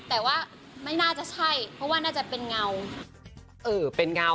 แต่ว่าไม่น่าจะใช่เพราะว่าน่าจะเป็นเงา